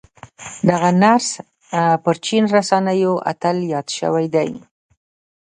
دغه نرس پر چين رسنيو اتل ياد شوی دی.